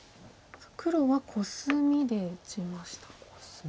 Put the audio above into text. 黒はコスミで打ちました。